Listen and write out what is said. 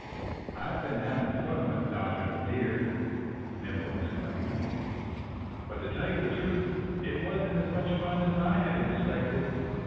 "I've been having fun with Dodger the Deer," Nimble explained. "But to tell the truth, it wasn't as much fun as I had expected."